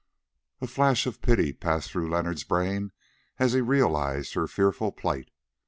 A flash of pity passed through Leonard's brain as he realised her fearful plight.